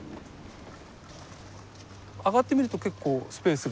上がってみると結構スペースが。